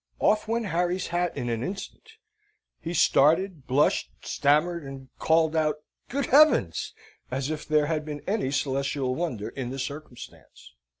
Off went Harry's hat in an instant. He started, blushed, stammered, and called out Good Heavens! as if there had been any celestial wonder in the circumstance!